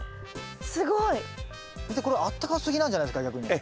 先生これあったかすぎなんじゃないですか逆に。